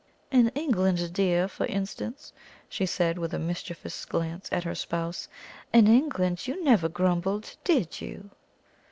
"In England, dear, for instance," she said, with a mischievous glance at her spouse "in England you never grumbled, did you?"